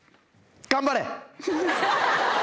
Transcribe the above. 頑張れ！